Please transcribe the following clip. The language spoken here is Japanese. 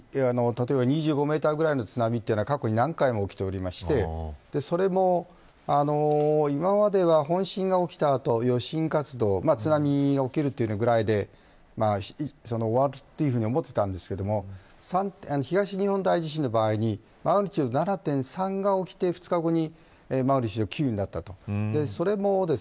例えば２５メートルぐらいの津波は、過去に何回も起きていてそれも今までは本震が起きた後余震活動、津波が起きるぐらいで終わると思っていたんですが東日本大地震の場合にマグニチュード７．３が起きて２日後にマグニチュード９になったと。